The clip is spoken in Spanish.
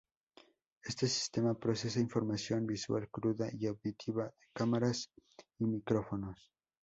Este sistema procesa información visual cruda y auditiva de cámaras y micrófonos.